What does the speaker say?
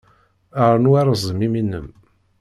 Rnu rẓem imi-nnem.